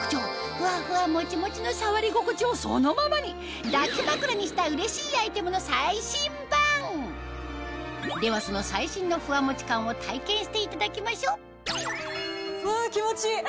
ふわふわもちもちの触り心地をそのままに抱き枕にしたうれしいアイテムの最新版！ではしていただきましょうわ気持ちいい！